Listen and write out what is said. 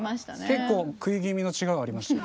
結構食い気味の「違う」ありました。